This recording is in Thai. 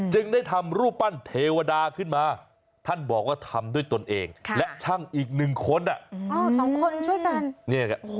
จึงได้ทำรูปปั้นเทวดาขึ้นมาท่านบอกว่าทำด้วยตนเองและช่างอีกหนึ่งคนสองคนช่วยกัน